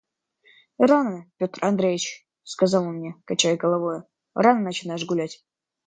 «Рано, Петр Андреич, – сказал он мне, качая головою, – рано начинаешь гулять.